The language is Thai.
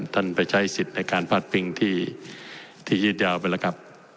ท่านไปใช้สิทธิ์ในการที่ที่ยืดยาวไปแล้วครับ